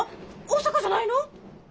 大阪じゃないの？